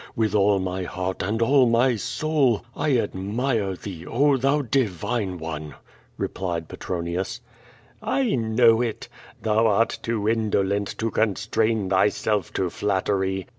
With all my heart and all my soul, I admire thee, oh, thou divine one!'' re])lied Petronius. ! know it. Thou art too indolent to constrain thyself to flatterv.